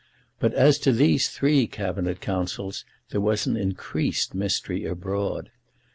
But as to these three Cabinet Councils there was an increased mystery abroad.